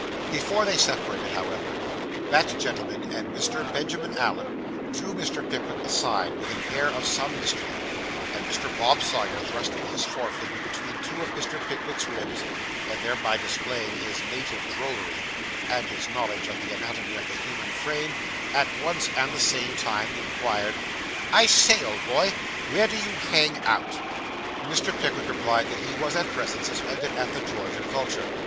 Before they separated, however, that gentleman and Mr. Benjamin Allen drew Mr. Pickwick aside with an air of some mystery; and Mr. Bob Sawyer, thrusting his forefinger between two of Mr. Pickwick's ribs, and thereby displaying his native drollery, and his knowledge of the anatomy of the human frame, at one and the same time, inquired 'I say, old boy, where do you hang out?' Mr. Pickwick replied that he was at present suspended at the George and Vulture.